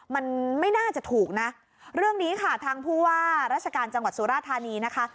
มันไม่น่าจะถูกนะเรื่องนี้ค่ะทางผู้ว่าราชการจังหวัดสุราธานีนะคะ